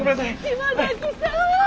島崎さん！